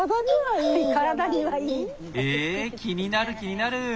ええ気になる気になる！